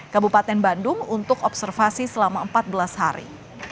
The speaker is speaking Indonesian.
kabupaten bandung untuk observasi selama empat belas hari